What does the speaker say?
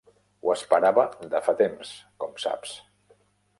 Ho esperava de fa temps, com saps.